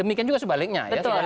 demikian juga sebaliknya ya